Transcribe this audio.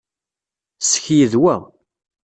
Ssekyed wa.